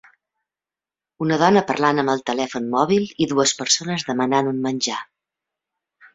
Una dona parlant amb el telèfon mòbil i dues persones demanant un menjar